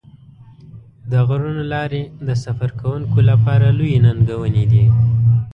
د غرونو لارې د سفر کوونکو لپاره لویې ننګونې دي.